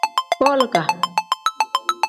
Boliga.